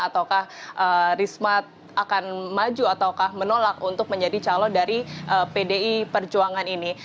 ataukah risma akan maju ataukah menolak untuk menjadi calon dari pdi perjuangan ini